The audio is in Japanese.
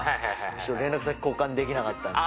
ちょっと連絡先交換できなかったんで。